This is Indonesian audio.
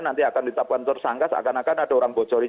nanti akan ditetapkan tersangka seakan akan ada orang bocorin